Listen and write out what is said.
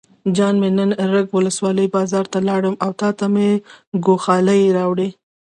جان مې نن رګ ولسوالۍ بازار ته لاړم او تاته مې ګوښالي راوړې.